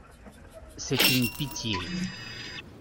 C’est une pitié.